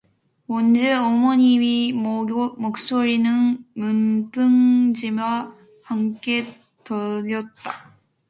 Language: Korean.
원재 어머니의 목소리는 문풍지와 함께 떨렸다.